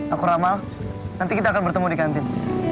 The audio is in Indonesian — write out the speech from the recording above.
aku ramal nanti kita akan bertemu di kantin